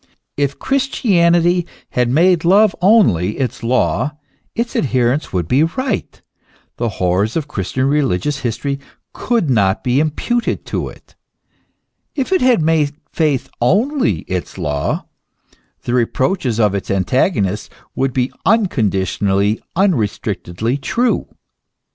If Christianity had made love only its law, its adherents would be right, the horrors of Christian religious history could not be imputed to it ; if it had made faith only its law, the reproaches of its antagonists would be uncondition ally, unrestrictedly true.